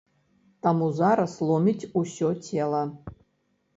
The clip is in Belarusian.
Таму зараз ломіць усё цела.